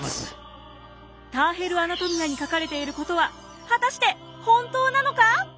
「ターヘル・アナトミア」に書かれていることは果たして本当なのか？